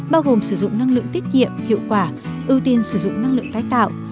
bao gồm sử dụng năng lượng tiết kiệm hiệu quả ưu tiên sử dụng năng lượng tái tạo